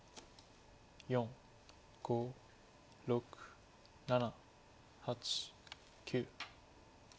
４５６７８９。